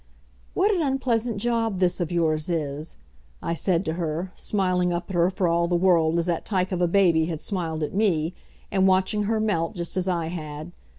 "What an unpleasant job this of yours is," I said to her, smiling up at her for all the world as that tike of a baby had smiled at me, and watching her melt just as I had.